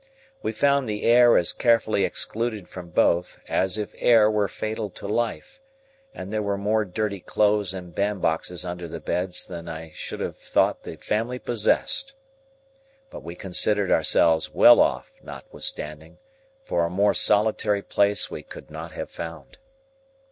We found the air as carefully excluded from both, as if air were fatal to life; and there were more dirty clothes and bandboxes under the beds than I should have thought the family possessed. But we considered ourselves well off, notwithstanding, for a more solitary place we could not have found.